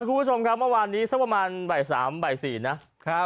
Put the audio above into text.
คุณผู้ชมคะเมื่อวานนี้สักประมาณบ่าย๓๔นะ